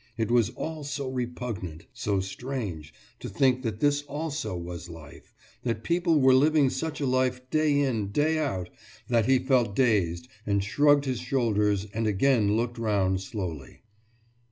It was all so repugnant, so strange, to think that this also was life, that people were living such a life day in, day out, that he felt dazed and shrugged his shoulders and again looked round slowly.